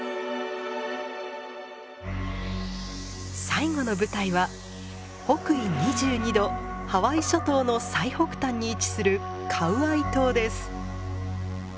最後の舞台は北緯２２度ハワイ諸島の最北端に位置するカウアイ島です。